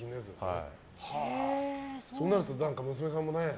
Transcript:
そうなると娘さんもね。